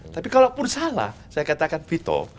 tapi kalaupun salah saya katakan vito